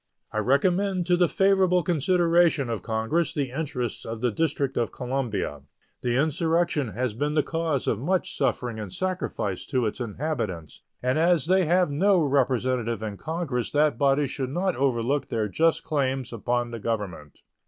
I recommend to the favorable consideration of Congress the interests of the District of Columbia. The insurrection has been the cause of much suffering and sacrifice to its inhabitants, and as they have no representative in Congress that body should not overlook their just claims upon the Government.